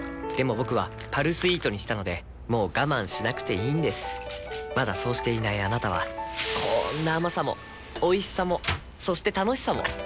僕は「パルスイート」にしたのでもう我慢しなくていいんですまだそうしていないあなたはこんな甘さもおいしさもそして楽しさもあちっ。